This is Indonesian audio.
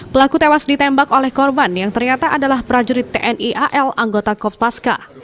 pelaku tewas ditembak oleh korban yang ternyata adalah prajurit tni al anggota kopaska